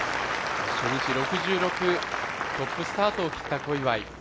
初日６６、トップスタートを切った小祝。